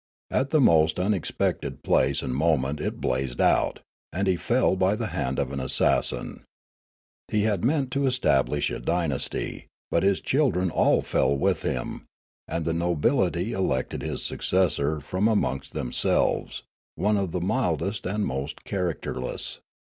At the most unexpected place and moment it blazed out, and he fell by the hand of an assassin. He had meant to establish a dynasty, but his children all fell with him ; and the nobility elected his successor from amongst themselves, one of the mildest and most characterless.